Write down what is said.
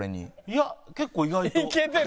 いや結構意外と。